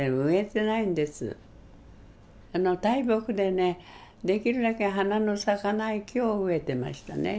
大木でねできるだけ花の咲かない木を植えてましたね。